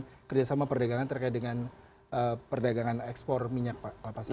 apakah melakukan kerjasama perdagangan terkait dengan perdagangan ekspor minyak kelapa sawit